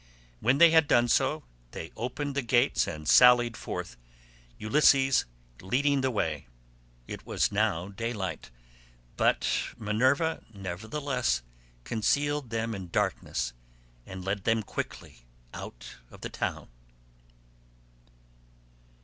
When they had done so, they opened the gates and sallied forth, Ulysses leading the way. It was now daylight, but Minerva nevertheless concealed them in darkness and led them quickly out of the town.